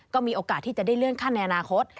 ก็มีโอกาสที่จะได้เลื่อนขั้นในอนาคต